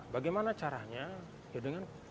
bagaimana caranya ya dengan